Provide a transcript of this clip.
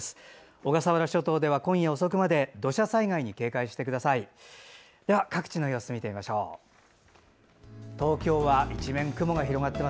小笠原諸島では今夜遅くまで土砂災害に警戒してください。